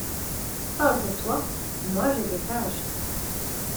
Parle pour toi. Moi, j’étais sage.